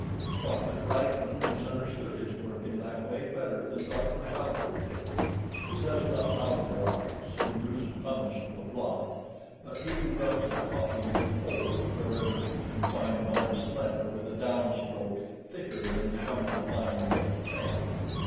Dr. Francklin has understood his work in that way better than Dr. Bowdler did. He does not Bowdlerise who uses pumice to a blot, but he who rubs the copy into holes wherever he can find an honest letter with a downstroke thicker than becomes a fine nibbed pen.